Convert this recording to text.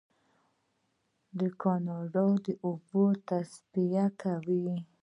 کاناډا د اوبو تصفیه کوي.